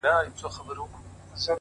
كه په رنگ باندي زه هر څومره تورېږم-